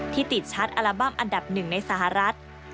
ที่ติดชัดอัลบั้มอันดับหนึ่งในสหรัฐ